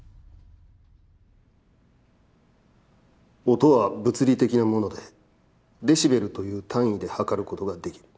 「音は物理的なもので、デシベルという単位で測ることができる。